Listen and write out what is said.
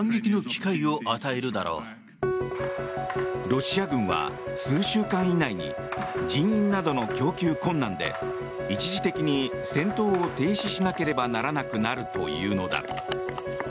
ロシア軍は、数週間以内に人員などの供給困難で一時的に戦闘を停止しなければならなくなるというのだ。